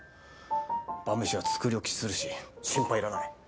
晩飯は作り置きするし心配いらない。